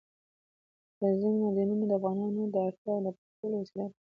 اوبزین معدنونه د افغانانو د اړتیاوو د پوره کولو وسیله ده.